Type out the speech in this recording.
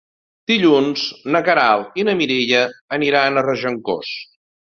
Dilluns na Queralt i na Mireia aniran a Regencós.